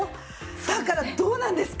だからどうなんですか？